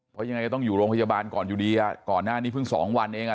เพราะยังไงก็ต้องอยู่โรงพยาบาลก่อนอยู่ดีอ่ะก่อนหน้านี้เพิ่งสองวันเองอ่ะ